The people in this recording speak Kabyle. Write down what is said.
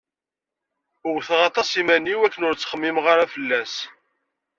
Wwteɣ aṭas iman-iw akken ur ttxemmimeɣ ara fell-as.